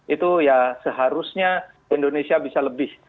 itu ya seharusnya indonesia bisa lebih